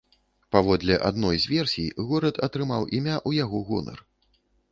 Паводле адной з версій, горад атрымаў імя ў яго гонар.